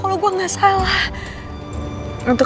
kamu yang udah bikin nama suami aku tuh jadi jelek